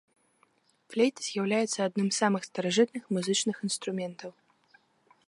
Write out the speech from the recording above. Флейта з'яўляецца адным з самых старажытных музычных інструментаў.